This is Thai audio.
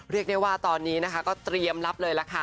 เรียกได้ว่าตอนนี้ต้องรับเลย